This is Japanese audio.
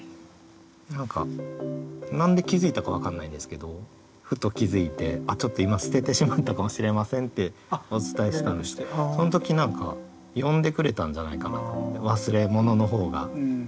何か何で気付いたか分かんないですけどふと気付いて「ちょっと今捨ててしまったかもしれません」ってお伝えしたんですけどその時何か呼んでくれたんじゃないかなと思って。